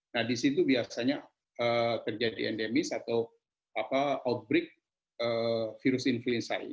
nah di situ biasanya terjadi endemis atau outbreak virus influenza ini